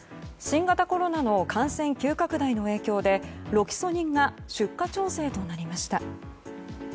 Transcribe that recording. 新型コロナの感染急拡大の影響でロキソニンが出荷調整となりました。